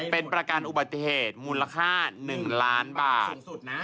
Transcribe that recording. เป็นประกันอุบัติเหตุมูลค่า๑ล้านบาท